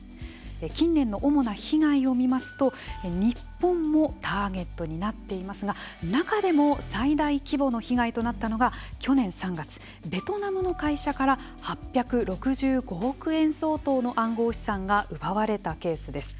近年の主な被害を見ますと日本もターゲットになっていますが、中でも最大規模の被害となったのが去年３月、ベトナムの会社から８６５億円相当の暗号資産が奪われたケースです。